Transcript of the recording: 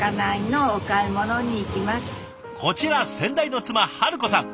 こちら先代の妻治子さん。